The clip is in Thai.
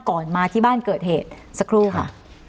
มาที่บ้านเกิดเหตุสักครู่ค่ะ